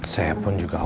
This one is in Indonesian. saya pun juga paham